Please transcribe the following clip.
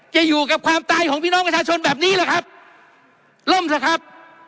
จะอยู่กับความตายของพี่น้องประชาชนแบบนี้แหละครับล่มเถอะครับ